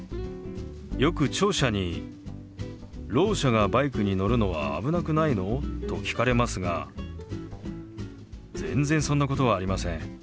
よく聴者に「ろう者がバイクに乗るのは危なくないの？」と聞かれますが全然そんなことはありません。